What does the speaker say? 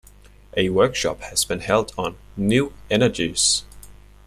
A workshop has been held on "New Energies".